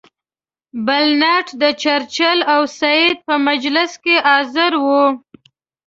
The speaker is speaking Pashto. بلنټ د چرچل او سید په مجلس کې حاضر وو.